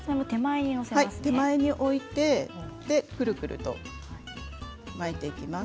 手前に置いて、くるくると巻いていきます。